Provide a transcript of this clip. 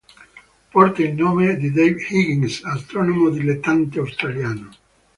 Porta il nome di Dave Higgins, astronomo dilettante australiano.